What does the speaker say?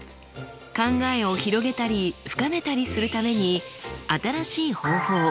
考えを広げたり深めたりするために新しい方法